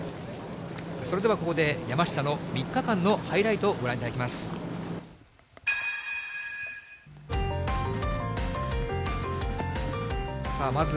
それではここで、山下の３日間のハイライトをご覧いただきます。